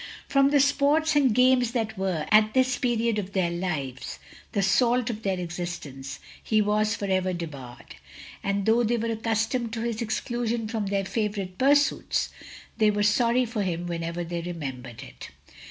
Prom the sports and games that were, at this period of their lives, the salt of their existence, he was for ever debarred, and though they were accustomed to his exclusion from their favourite pursuits; they were sorry for him whenever they remembered it.